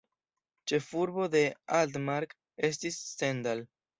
Ĉefurbo de Altmark estis Stendal.